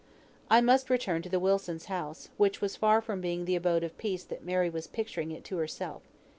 I must return to the Wilsons' house, which was far from being the abode of peace that Mary was picturing it to herself.